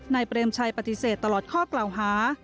เปรมชัยปฏิเสธตลอดข้อกล่าวหา